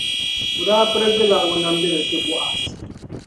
o daa pirigi la o namdili ti Bɔaz.